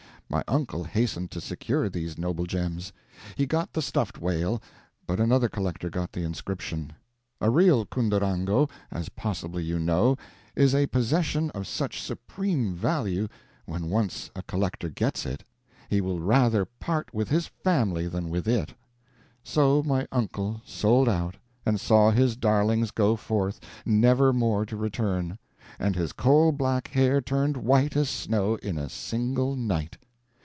My uncle hastened to secure these noble gems. He got the stuffed whale, but another collector got the inscription. A real Cundurango, as possibly you know, is a possession of such supreme value that, when once a collector gets it, he will rather part with his family than with it. So my uncle sold out, and saw his darlings go forth, never more to return; and his coal black hair turned white as snow in a single night.